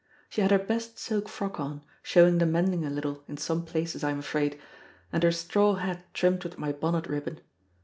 She had her best silk frock on, showing the mending a little in some places, I am afraid, and her straw hat trimmed with my bonnet ribbon.